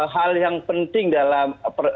hal yang penting dalam